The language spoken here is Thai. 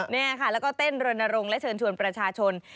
นี่ค่ะแล้วก็เต้นรณรงค์และเชิญชวนประชาชน